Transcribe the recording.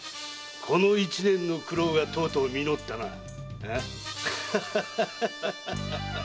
この一年の苦労がとうとう実ったな。